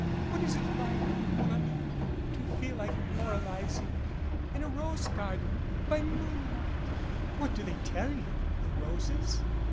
What is it like, man ami, to feel like moralizing in a rose garden by moonlight? What do they tell you the roses?